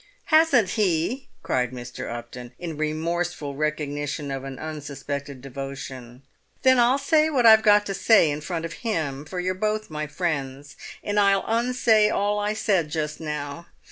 "Hasn't he?" cried Mr. Upton, in remorseful recognition of an unsuspected devotion; "then I'll say what I've got to say in front of him, for you're both my friends, and I'll unsay all I said just now.